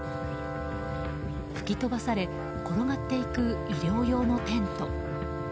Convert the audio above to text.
吹き飛ばされ転がっていく医療用のテント。